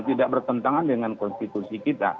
tidak bertentangan dengan konstitusi kita